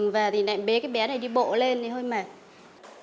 và thì nãy bế cái bé này đi bộ lên thì hơi mệt